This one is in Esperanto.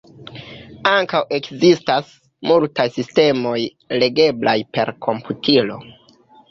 Ankaŭ ekzistas multaj sistemoj legeblaj per komputilo.